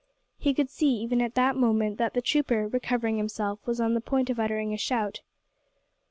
He could see, even at that moment, that the trooper, recovering himself, was on the point of uttering a shout.